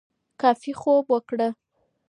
کافي خوب وکړه